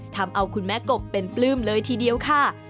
ทำเอาคุณแม่กบเป็นปลื้มเลยทีเดียวค่ะ